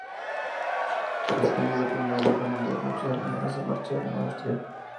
Tras fin de la Primera Guerra Mundial muchos alemanes se marcharon a Austria.